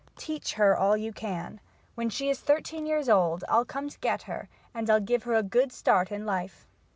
Teach her all you can. When she is thirteen years old I'll come to get her and I'll give her a good start in life."